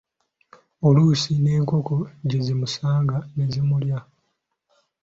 Oluusi n'enkoko gye zimusanga nezimulya.